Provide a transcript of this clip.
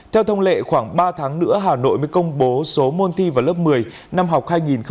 theo thông lệ khoảng ba tháng nữa hà nội mới công bố số môn thi vào lớp một mươi năm học hai nghìn hai mươi hai nghìn hai mươi